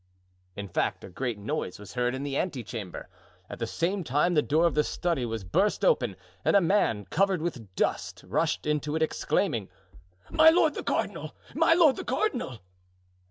In fact, a great noise was heard in the ante chamber; at the same time the door of the study was burst open and a man, covered with dust, rushed into it, exclaiming: "My lord the cardinal! my lord the cardinal!"